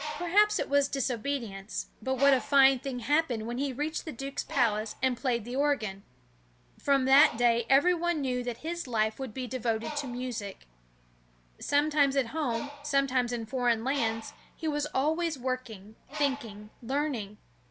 Perhaps it was disobedience, but what a fine thing happened when he reached the duke's palace and played the organ. From that day every one knew that his life would be devoted to music. Sometimes at home, sometimes in foreign lands, he was always working, thinking, learning.